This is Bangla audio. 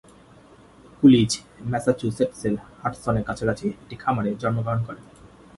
কুলিজ ম্যাসাচুসেটসের হাডসনের কাছাকাছি একটি খামারে জন্মগ্রহণ করেন।